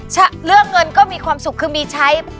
เรื่องเงินก็มีความสุขคือมีใช้